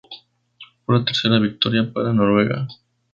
Fue la tercera victoria para Noruega.